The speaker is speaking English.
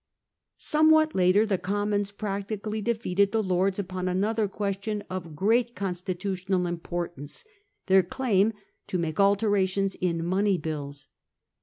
Somewhat later the Commons practically defeated the Lords upon another question of great constitutional importance, their claim to make alterations in money A j ^ bills.